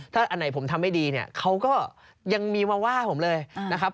ถ้าอันไหนผมทำไม่ดีเนี่ยเขาก็ยังมีมาว่าผมเลยนะครับ